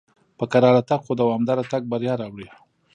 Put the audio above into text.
په کراره تګ خو دوامدار تګ بریا راوړي.